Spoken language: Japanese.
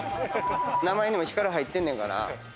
名前にも光る入ってんねんから。